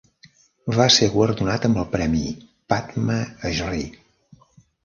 Va ser guardonat amb el premi Padma Shri.